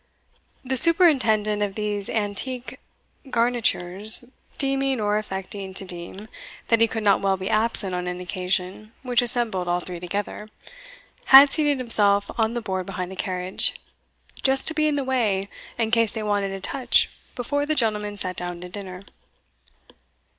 The superintendent of these antique garnitures, deeming, or affecting to deem, that he could not well be absent on an occasion which assembled all three together, had seated himself on the board behind the carriage, "just to be in the way in case they wanted a touch before the gentlemen sat down to dinner."